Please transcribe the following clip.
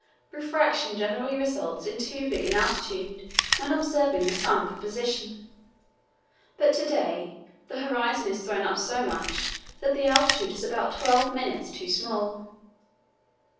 Refraction generally results in too big an altitude when observing the sun for position, but to day, the horizon is thrown up so much that the altitude is about 12´ too small.